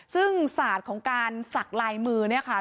ซึ่งศาสตร์ของการสักลายมือเนี่ยค่ะ